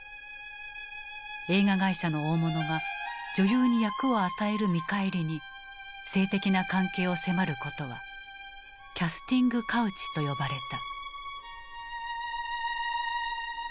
映画会社の大物が女優に役を与える見返りに性的な関係を迫ることは「キャスティング・カウチ」と呼ばれた。